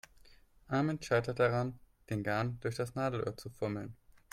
Armin scheitert daran, den Garn durch das Nadelöhr zu fummeln.